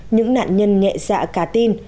những nạn nhân nghệ dạ cả tin